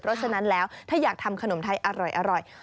เพราะฉะนั้นแล้วถ้าอยากทำขนมไทยอร่อย